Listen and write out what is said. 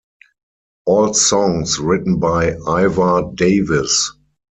All songs written by Iva Davies.